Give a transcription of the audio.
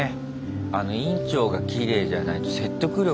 あの院長がきれいじゃないと説得力がね。